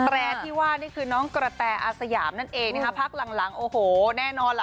แต่ที่ว่านี่คือน้องกระแตอาสยามนั่นเองนะคะพักหลังหลังโอ้โหแน่นอนล่ะ